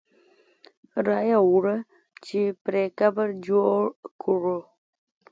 را یې وړه چې پرې قبر جوړ کړو.